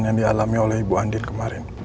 yang dialami oleh ibu andir kemarin